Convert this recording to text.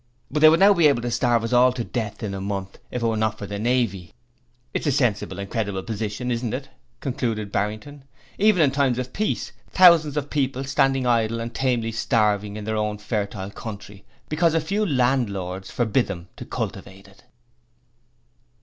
But they would now be able to starve us all to death in a month if it were not for the Navy. It's a sensible and creditable position, isn't it?' concluded Barrington. 'Even in times of peace, thousands of people standing idle and tamely starving in their own fertile country, because a few land "Lords" forbid them to cultivate it.'